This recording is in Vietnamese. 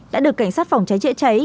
đã được cảnh sát phòng cháy chữa cháy